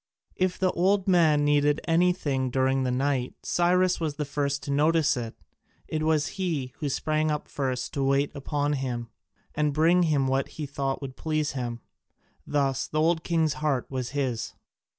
If the old man needed anything during the night Cyrus was the first to notice it, it was he who sprang up first to wait upon him, and bring him what he thought would please him. Thus the old king's heart was his.